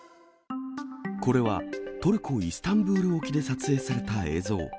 これは、トルコ・イスタンブール沖で撮影された映像。